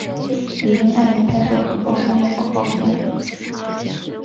李英爱也拍摄了很多商业广告片。